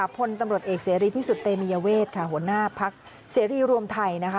พลตำรวจเอกเสรีพิสุทธิ์เตมียเวทค่ะหัวหน้าพักเสรีรวมไทยนะคะ